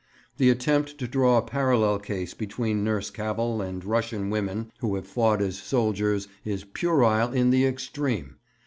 The attempt to draw a parallel case between Nurse Cavell and Russian women who have fought as soldiers is puerile in the extreme.